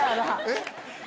えっ？